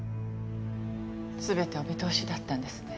全てお見通しだったんですね。